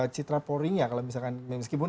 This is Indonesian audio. citraporinya kalau misalkan meskipun